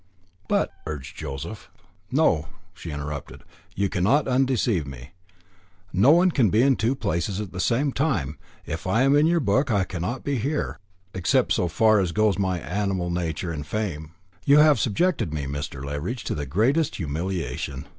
"But " urged Joseph. "No," she interrupted, "you cannot undeceive me. No one can be in two places at the same time. If I am in your book, I cannot be here except so far as goes my animal nature and frame. You have subjected me, Mr. Leveridge, to the greatest humiliation.